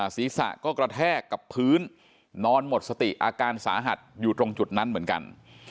ศีรษะก็กระแทกกับพื้นนอนหมดสติอาการสาหัสอยู่ตรงจุดนั้นเหมือนกัน